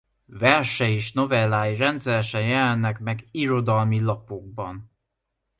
Versei és novellái rendszeresen jelennek meg irodalmi lapokban.